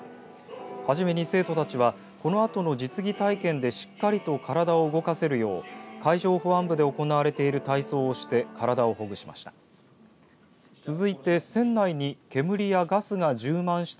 初めに生徒たちはこのあとの実技体験でしっかりと体を動かせるよう海上保安部で行われている体操をして体をほぐしました。